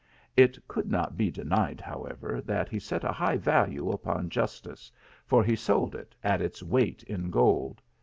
It could not be denied, however, that he set a high val ue upon justice, for he sold it at its weight in gold.